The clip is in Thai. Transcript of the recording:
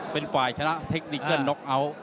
เป็นฝ่ายชนะเทคนิเกิ้ลน็อกเอาท์